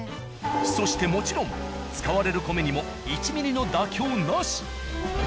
そしてもちろん使われる米にも１ミリの妥協なし！